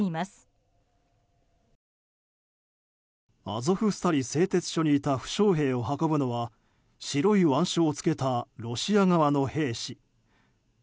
アゾフスタリ製鉄所にいた負傷兵を運ぶのは白い腕章を着けたロシア側の兵士。